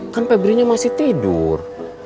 kan pebri nya masih tidur